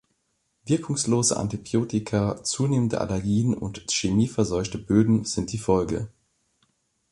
Wirkungslose Antibiotika, zunehmende Allergien und chemieverseuchte Böden sind die Folge.